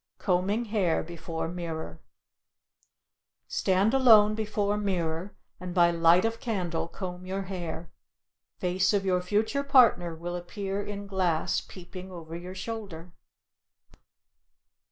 COMBING HAIR BEFORE MIRROR Stand alone before mirror, and by light of candle comb your hair; face of your future partner will appear in glass, peeping over your shoulder.